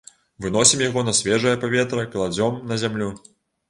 Выносім яго на свежае паветра, кладзём на зямлю.